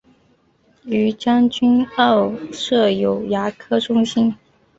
于将军澳设有牙科中心。